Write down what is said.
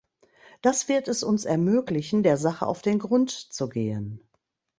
Das wird es uns ermöglichen, der Sache auf den Grund zu gehen.